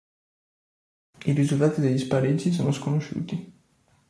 I risultati degli spareggi sono sconosciuti